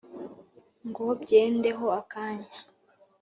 Ngo byende ho akanya